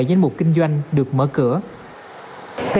danh mục kinh doanh được mở cửa